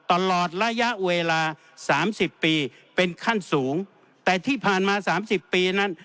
ตลอดระยะเวลาสามสิบปีเป็นขั้นสูงแต่ที่ผ่านมาสามสิบปีนั้น